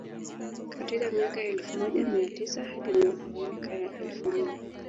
Katika miaka ya elfu moja mia tisa hadi miaka ya elfu mbili